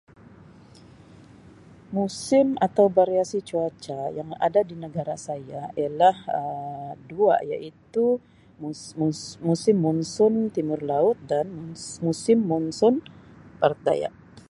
Musim atau variasi cuaca yang ada di negara saya ialah Um dua iaitu mus-mus musim monson timur laut dan mu-musim monson barat daya.